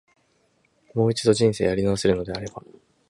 もう一度、人生やり直せるのであれば、